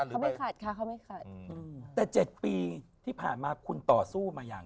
เขาไม่ขัดค่ะเขาไม่ขัดแต่๗ปีที่ผ่านมาคุณต่อสู้มาอย่าง